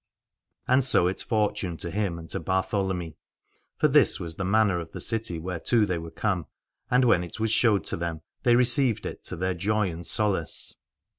And so it fortuned to him and to Bar tholomy : for this was the manner of the city whereto they were come, and when it was showed to them they received it to their joy and solace.